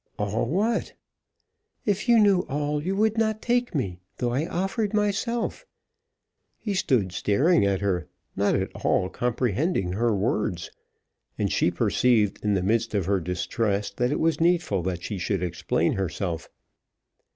"All what?" "If you knew all, you would not take me though I offered myself." He stood staring at her, not at all comprehending her words, and she perceived in the midst of her distress that it was needful that she should explain herself.